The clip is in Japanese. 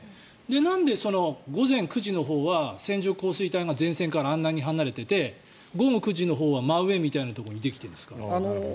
なんで、午前９時のほうは線状降水帯が前線からあんなに離れていて午後９時のほうは真上みたいなところにできてる？